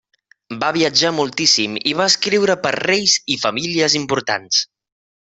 Va viatjar moltíssim i va escriure per a reis i famílies importants.